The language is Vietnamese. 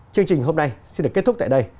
chương trình hôm nay xin được kết thúc tại đây